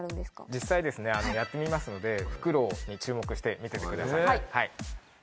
実際、やってみますので、フクロウに注目して見ててください。